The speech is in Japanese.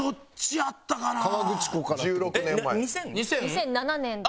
２００７年です。